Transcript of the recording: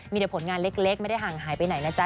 มีแต่ผลงานเล็กไม่ได้ห่างหายไปไหนนะจ๊